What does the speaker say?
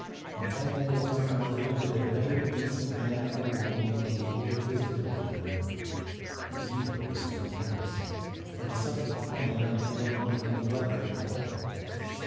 In ten years' time I predicted that no decent man or woman would be able to visit Coney Island. The evil was stupendous, and the subject of Coney Island could no longer be neglected in the pulpit.